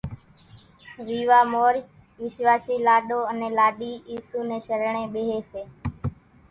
ويوا مورِ وِشواشِي لاڏو انين لاڏِي اِيسُو نين شرڻين ٻيۿيَ سي۔